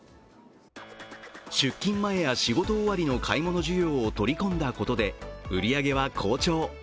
出勤前や仕事終わりの買い物需要を取り込んだことで、売り上げは好調。